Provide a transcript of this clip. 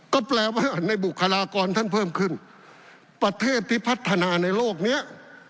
ก็แปลว่าในบุคลากรท่านเพิ่มขึ้นประเทศที่พัฒนาในโลกเนี้ย